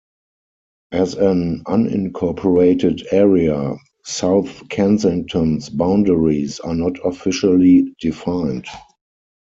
As an unincorporated area, South Kensington's boundaries are not officially defined.